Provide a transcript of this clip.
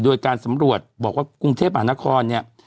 โดยการสำรวจบอกว่ากรุงเทพหานครเนี่ย